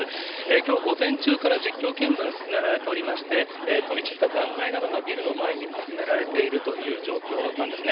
きょう午前中から実況見分、進められておりまして、飛び散った残骸などがビルの前に集められているという状況なんですね。